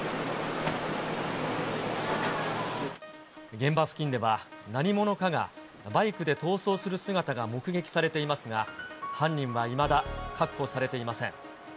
現場付近では、何者かがバイクで逃走する姿が目撃されていますが、犯人はいまだ確保されていません。